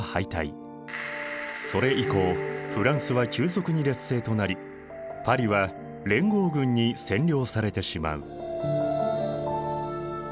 それ以降フランスは急速に劣勢となりパリは連合軍に占領されてしまう。